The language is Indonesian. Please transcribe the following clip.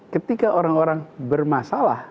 ketika orang orang bermasalah